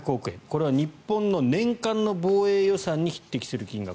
これは日本の年間の防衛予算に匹敵する金額。